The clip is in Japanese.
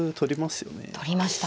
取りました。